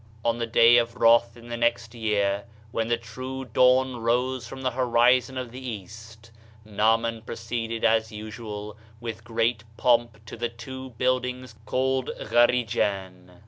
On the day of wrath in the next year, when the true dawn rose from the horizon of the east, Naaman proceeded as usual with great pomp to the two buildings called Gharijan.